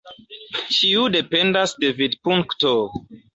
Ĉio dependas de vidpunkto.